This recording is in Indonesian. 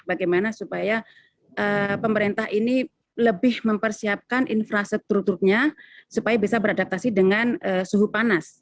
bagaimana supaya pemerintah ini lebih mempersiapkan infrastrukturnya supaya bisa beradaptasi dengan suhu panas